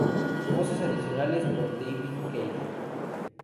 Voces adicionales por David Kaye.